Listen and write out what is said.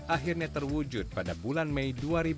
akhirnya terwujud pada bulan mei dua ribu delapan belas